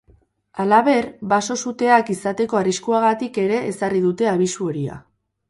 Halaber, baso-suteak izateko arriskuagatik ere ezarri dute abisu horia.